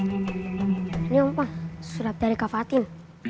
ini om fang surat dari kak fatin